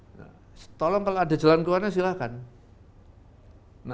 nah apakah kemudian kita memberikan santunan kepada keluarga preman preman yang dulu memalak malak rakyat indonesia